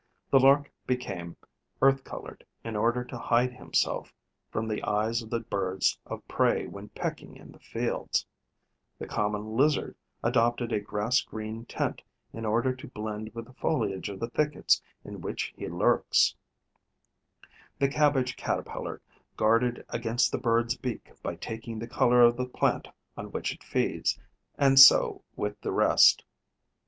The Lark became earth coloured in order to hide himself from the eyes of the birds of prey when pecking in the fields; the Common Lizard adopted a grass green tint in order to blend with the foliage of the thickets in which he lurks; the Cabbage caterpillar guarded against the bird's beak by taking the colour of the plant on which it feeds. And so with the rest.